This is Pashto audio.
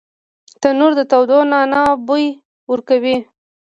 تنور د تودو نانو بوی ورکوي